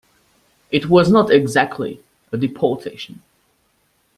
It was not exactly a deportation.